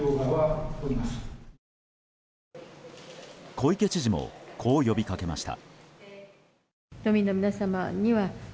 小池知事もこう呼びかけました。